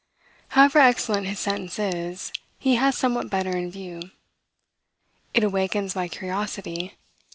However excellent his sentence is, he has somewhat better in view. It awakens my curiosity.